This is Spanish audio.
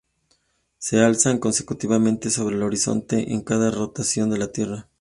Se alzan consecutivamente sobre el horizonte en cada rotación de la Tierra.